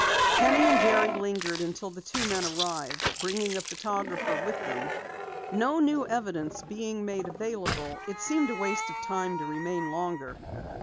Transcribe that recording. Penny and Jerry lingered until the two men arrived, bringing a photographer with them. No new evidence being made available, it seemed a waste of time to remain longer.